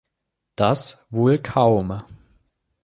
Das wohl kaum.